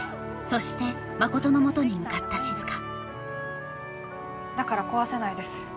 そして真琴のもとに向かった静だから壊せないです